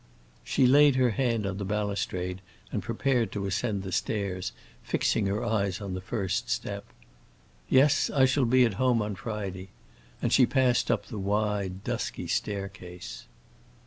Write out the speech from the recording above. She laid her hand on the balustrade and prepared to ascend the stairs, fixing her eyes on the first step. "Yes, I shall be at home on Friday," and she passed up the wide dusky staircase.